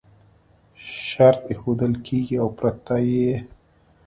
شرط ایښودل کېږي او پرته یې